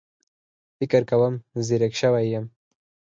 فکر کوم ځيرک شوی يم